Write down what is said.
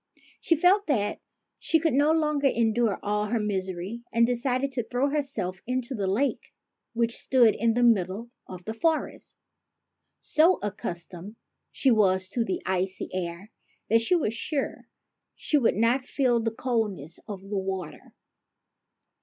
She felt that she could no longer endure all her misery, and decided to throw herself into the lake which stood in the middle of the forest. So accustomed was she to the icy air that she was sure she would not feel the coldness of the water.